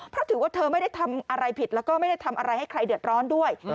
เพราะถือว่าเธอไม่ได้ทำอะไรผิดแล้วก็ไม่ได้ทำอะไรให้ใครเดือดร้อนด้วย